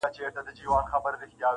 نن که دي وګړي د منبر په ریا نه نیسي -